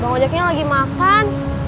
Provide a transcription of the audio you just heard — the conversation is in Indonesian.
bang ojaknya lagi makan